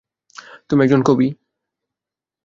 তুমি একজন কবি।